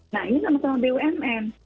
nah ini sama sama bumn